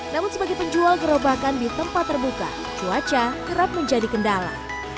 namun sebagai penjual gerobakan di tempat terbuka cuaca kerap menjadi kendala